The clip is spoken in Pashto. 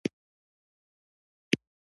تل په یاد لره چې ته هم د بل هر چا په شان.